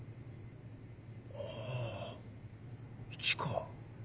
あぁ一花。